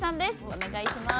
お願いします。